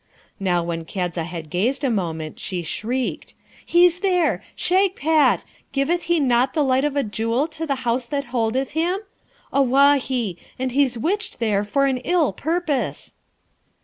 Now, when Kadza had gazed a moment, she shrieked, 'He's there! Shagpat! giveth he not the light of a jewel to the house that holdeth him? Awahy! and he's witched there for an ill purpose.'